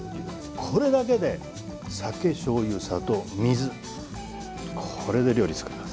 これだけで酒としょうゆ、砂糖、水、これだけで作ります。